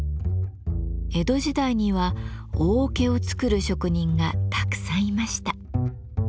江戸時代には大桶を作る職人がたくさんいました。